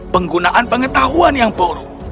penggunaan pengetahuan yang buruk